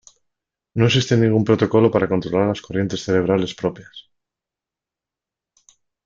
No existe ningún protocolo para controlar las corrientes cerebrales propias.